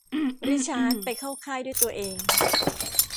ริชาร์ดไปเข้าค่ายด้วยตัวเอง